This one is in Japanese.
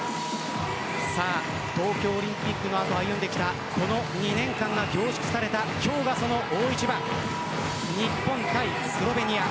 東京オリンピックの後歩んできたこの２年間が凝縮された今日がその大一番日本対スロベニア。